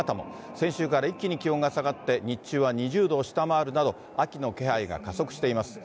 先週から一気に気温が下がって、日中は２０度を下回るなど、秋の気配が加速しています。